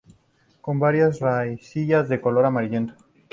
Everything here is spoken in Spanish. Con varias raicillas de color amarillento.